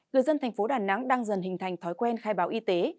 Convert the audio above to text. người dân thành phố đà nẵng đang dần hình thành thói quen khai báo y tế